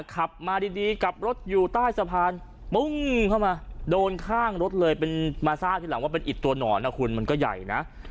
ขับมาดีกลับรถอยู่ใต้สะพานปุ้งเข้ามาโดนข้างรถเลยเป็นมาทราบทีหลังว่าเป็นอิดตัวหนอนนะคุณมันก็ใหญ่นะ